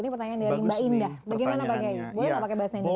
ini pertanyaan dari mbak indah bagaimana pak gaya boleh nggak pakai bahasa indonesia